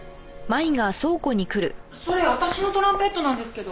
それ私のトランペットなんですけど。